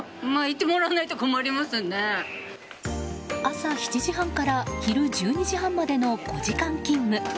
朝７時半から昼１２時半までの５時間勤務。